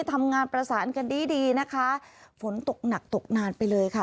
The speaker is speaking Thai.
ทำงานประสานกันดีดีนะคะฝนตกหนักตกนานไปเลยค่ะ